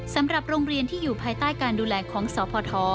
สำหรับโรงเรียนที่อยู่ภายใต้การดูแลของสพ